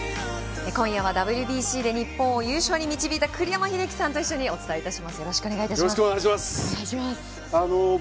今夜はＷＢＣで日本を優勝に導いた栗山英樹さんと一緒にお届けします。